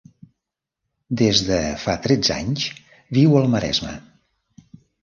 Des de fa tretze anys viu al Maresme.